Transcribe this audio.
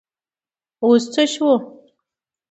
اوس څه شو ؟